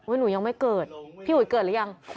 พี่หุยเกิดหรือยัง